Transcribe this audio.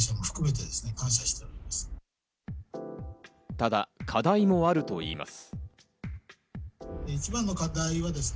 ただ、課題もあるといいます。